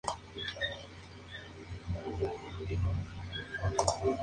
Esta parte contiene todavía el doble balcón original.